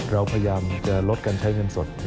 เราพยายามจะลดการใช้เงินสด